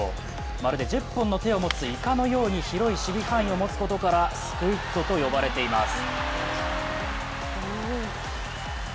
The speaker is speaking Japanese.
まるで１０本の手を持つイカのように広い守備範囲を持つことからスクイッドと呼ばれています。